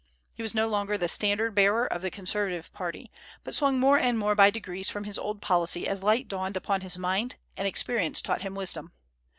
He was no longer the standard bearer of the conservative party, but swung more and more by degrees from his old policy as light dawned upon his mind and experience taught him wisdom.